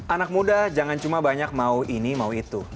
anak muda jangan cuma banyak mau ini mau itu